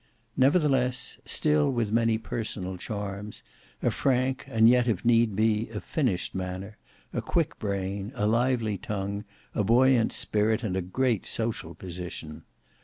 Nevertheless, still with many personal charms, a frank and yet, if need be, a finished manner, a quick brain, a lively tongue, a buoyant spirit, and a great social position.